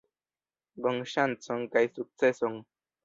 Bonŝancon kaj sukceson!